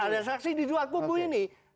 ada saksi di dua kubu ini